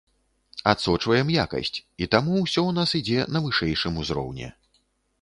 Адсочваем якасць, і таму ўсё у нас ідзе на вышэйшым узроўні.